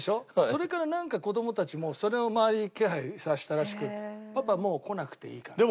それからなんか子供たちもその周りの気配察したらしく「パパもう来なくていいから」。